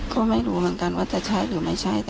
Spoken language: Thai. ก็ไม่รู้เหมือนกันว่าจะใช่หรือไม่ใช่